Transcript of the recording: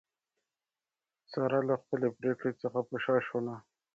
ساره له خپلې پرېکړې څخه په شا شوله.